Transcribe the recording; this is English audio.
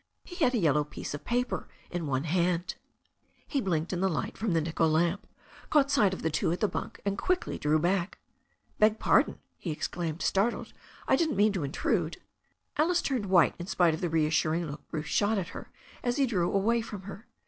He had a yellow piece of paper in one liand. THE STORY OF A NEW ZEALAND RIVER 373 He blinked in the light from the nickel lamp, caught sight of the two at the bunk, and quickly drew back. "Beg pardon," he exclaimed, startled. "I didn't mean to intrude." Alice turned white in spite of the reassuring look Bruce shot at her as he drew away from her.